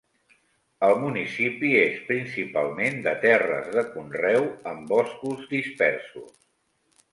El municipi és principalment de terres de conreu amb boscos dispersos.